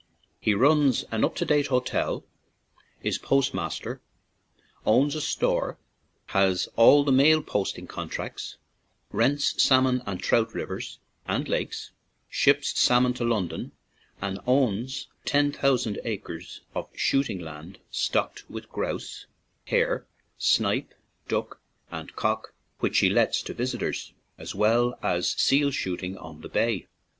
He runs an up to date hotel, is postmaster, owns a store, has all the mail posting contracts, rents salmon and trout rivers and lakes, ships salmon to London, and owns ten thou sand acres of shooting land stocked with grouse, hares, snipe, duck, and cock, which he lets to visitors, as well as seal shoot ing on the bay.